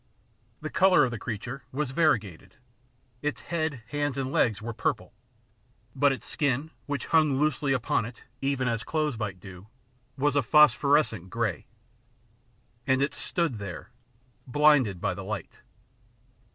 The colour of the creature was variegated ; its head, hands, and legs were purple ; but its skin, which hung loosely upon it, even as clothes might do, was a phos phorescent grey. And it stood there blinded by the light.